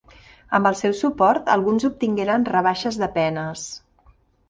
Amb el seu suport alguns obtingueren rebaixes de penes.